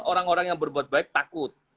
orang orang yang berbuat baik takut